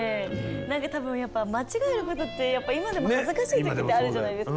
何か多分やっぱ間違えることってやっぱ今でも恥ずかしい時ってあるじゃないですか。